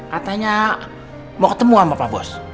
katanya mau ketemu sama pak bos